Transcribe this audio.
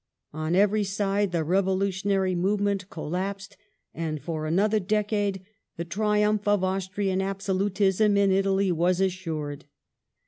On every side the revolutionary movement collapsed, and for another decade the triumph of Austrian absolutism in Italy was assured.